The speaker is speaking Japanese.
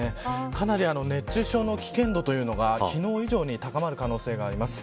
かなり熱中症の危険度が昨日以上に高まる可能性があります。